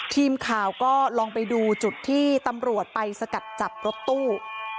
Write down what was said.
ทีมข่าวก็ลองไปดูจุดที่ตำรวจไปสกัดจับรถตู้